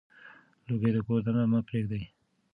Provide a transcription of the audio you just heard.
لوګي د کور دننه مه پرېږدئ.